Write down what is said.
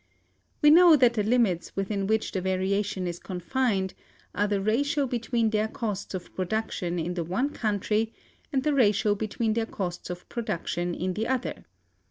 We know that the limits within which the variation is confined are the ratio between their costs of production in the one country and the ratio between their costs of production in the other.